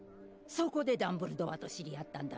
そこでダンブルドアと知り合ったんだぇ